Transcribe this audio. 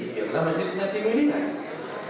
biarlah majlisnya tim ini lah